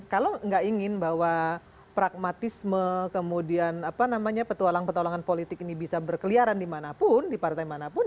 kalau nggak ingin bahwa pragmatisme kemudian petualangan petualangan politik ini bisa berkeliaran di mana pun di partai mana pun